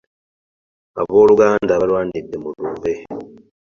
Abooluganda balwanidde mu lumbe.